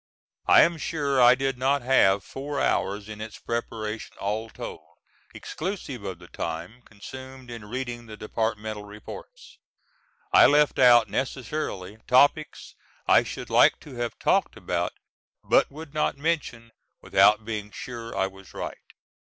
I am sure I did not have four hours in its preparation all told, exclusive of the time consumed in reading the departmental reports. I left out necessarily topics I should liked to have talked about, but would not mention without being sure I was right.